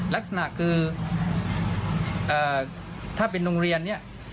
ลักษณะคือถ้าเป็นโรงเรียนเนี่ย